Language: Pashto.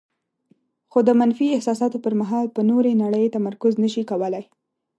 خو د منفي احساساتو پر مهال په نورې نړۍ تمرکز نشي کولای.